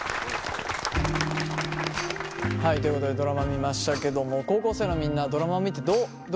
はいということでドラマ見ましたけども高校生のみんなドラマを見てどう思いましたか？